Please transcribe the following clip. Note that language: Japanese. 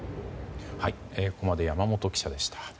ここまで山本記者でした。